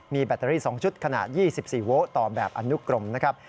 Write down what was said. มีแบตเตอรี่๒ชุดขนาด๒๔โวลต์ต่อแบบอนุกรมนะครับ